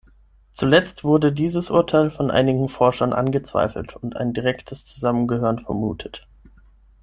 Zuletzt wurde dieses Urteil von einigen Forschern angezweifelt und ein direktes Zusammengehören vermutet.